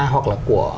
hoặc là của